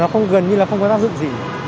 và nó không gần như là không có tác dụng gì